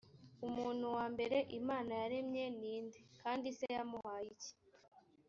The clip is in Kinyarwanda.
umuntu wa mbere imana yaremye ni nde, kandi se yamuhaye iki?